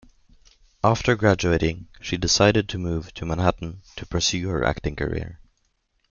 After graduating, she decided to move to Manhattan to pursue her acting career.